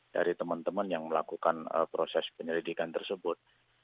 dari teman teman yang melakukan proses penyelidikan tersebut